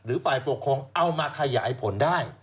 ฝ่ายปกครองเอามาขยายผลได้